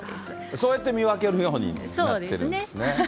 こうやって見分けるようになってるんですね。